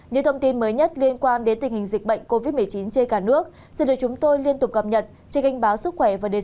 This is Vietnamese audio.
nhiều thông tin mới nhất liên quan tình hình dịch bệnh covid một mươi chín chê cả nước sẽ được chúng tôi liên tục gặp nhận trên kênh sức khỏe và đời sống